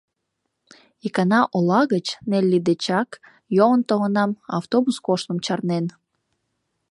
— Икана ола гыч, Нелли дечак, йолын толынам — автобус коштмым чарнен.